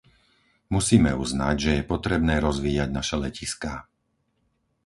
Musíme uznať, že je potrebné rozvíjať naše letiská.